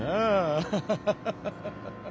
アハハハハ。